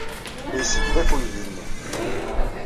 La yesseglaf uydi-nni.